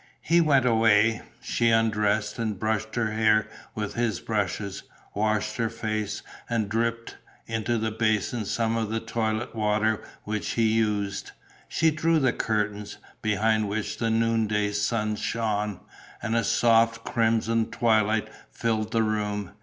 He went away. She undressed and brushed her hair with his brushes, washed her face and dripped into the basin some of the toilet water which he used. She drew the curtains, behind which the noonday sun shone; and a soft crimson twilight filled the room.